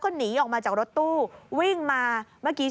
โดดลงรถหรือยังไงครับ